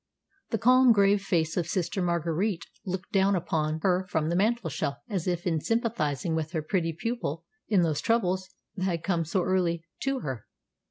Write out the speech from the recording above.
The calm, grave face of Sister Marguerite looked down upon her from the mantelshelf as if sympathising with her pretty pupil in those troubles that had so early come to her.